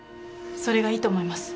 それがいいと思います。